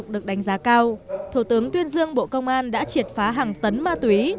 được đánh giá cao thủ tướng tuyên dương bộ công an đã triệt phá hàng tấn ma túy